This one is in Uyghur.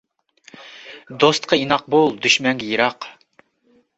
دوستقا ئىناق بول، دۈشمەنگە يىراق.